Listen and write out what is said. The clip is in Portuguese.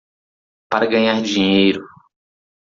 Para ganhar dinheiro